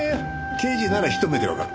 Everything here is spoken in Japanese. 刑事ならひと目でわかる。